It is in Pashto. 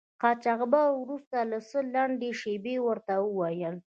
قاچاقبر وروسته له څه لنډې شیبې ورته و ویل.